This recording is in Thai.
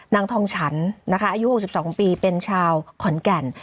นางทองฉันนะคะอายุ๖๒ปีเป็นชาวขอนแก่น